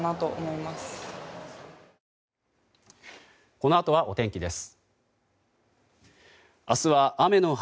このあとはお天気です。